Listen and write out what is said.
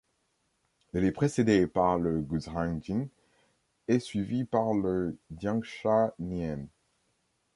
Elle est précédée par le Guzhangien et suivie par le Jiangshanien.